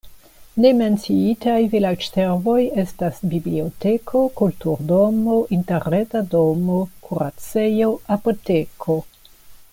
Ne menciitaj vilaĝservoj estas biblioteko, kulturdomo, interreta domo, kuracejo, apoteko.